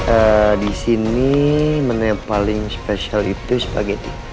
eh di sini menu yang paling spesial itu spaghetti